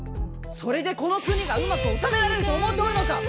それでこの国がうまく治められると思うておるのか！